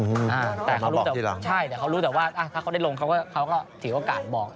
อื้อฮือแต่เขารู้แต่ว่าถ้าเขาได้ลงเขาก็ถียวโอกาสบอก